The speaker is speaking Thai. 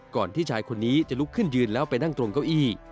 ที่ชายคนนี้จะลุกขึ้นยืนแล้วไปนั่งตรงเก้าอี้